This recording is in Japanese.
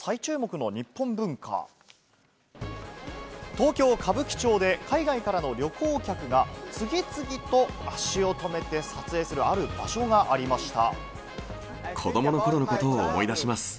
東京・歌舞伎町で海外からの旅行客が次々と足を止めて撮影する、ある場所がありました。